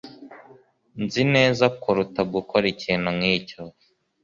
Nzi neza kuruta gukora ikintu nkicyo.